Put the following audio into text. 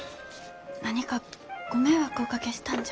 何かご迷惑おかけしたんじゃ。